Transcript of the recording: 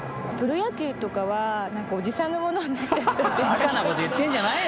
バカなこと言ってんじゃないよ